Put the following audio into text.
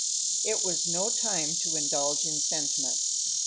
It was no time to indulge in sentiment.